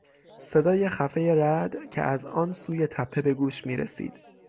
صدای خفهی رعد که از آن سوی تپه به گوش میرسید.